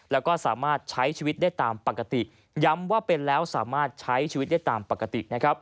แล้วก็สามารถใช้ชีวิตได้ตามปกติย้ำว่าเป็นแล้วสามารถใช้ชีวิตได้ตามปกตินะครับ